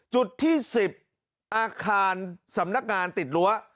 จุดที่๑๐อาคารสำนักงานติดรั้ว